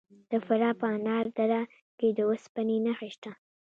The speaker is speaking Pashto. د فراه په انار دره کې د وسپنې نښې شته.